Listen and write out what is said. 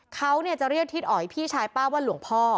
เขาจะเรียกทิศอ๋อยพี่ชายป้าว่าหลวงพ่อ